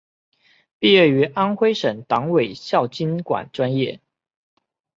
毕业于安徽省委党校经管专业。